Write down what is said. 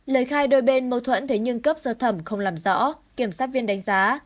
lời khai đôi bên mâu thuẫn thế nhưng cấp sơ thẩm không làm rõ kiểm sát viên đánh giá